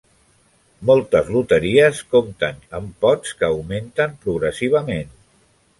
Moltes loteries compten amb pots que augmenten progressivament.